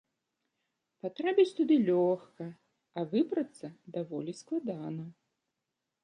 Патрапіць туды лёгка, а выбрацца даволі складана.